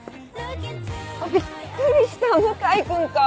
びっくりした向井君か。